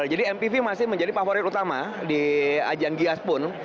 jadi mpv masih menjadi favorit utama di ajang gias pun